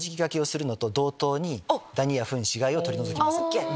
ＯＫ！